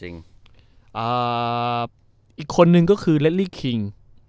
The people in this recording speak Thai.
อีกคนนึงก็คือเล็ตติรีกิ้ง